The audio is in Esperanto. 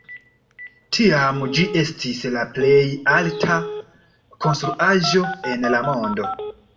Tiam ĝi estis la plej alta konstruaĵo en la mondo.